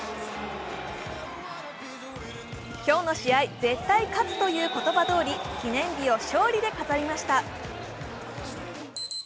今日の試合、絶対勝つという言葉どおり記念日を勝利で飾りました。